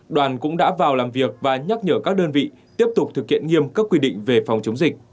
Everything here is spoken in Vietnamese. đoàn cũng đã vào làm việc và nhắc nhở các đơn vị tiếp tục thực hiện nghiêm các quy định về phòng chống dịch